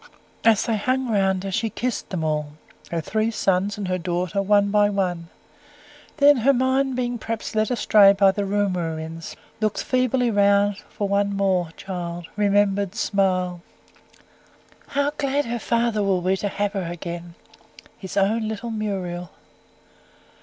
As they hung round her she kissed them all her three sons and her daughter, one by one; then, her mind being perhaps led astray by the room we were in, looked feebly round for one more child remembered smiled "How glad her father will be to have her again his own little Muriel."